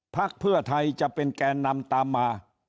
พักเพื่อไทยจะเป็นแกนนำตามมา